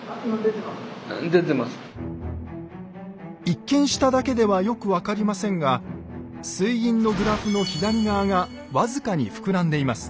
一見しただけではよく分かりませんが水銀のグラフの左側が僅かに膨らんでいます。